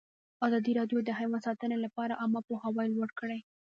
ازادي راډیو د حیوان ساتنه لپاره عامه پوهاوي لوړ کړی.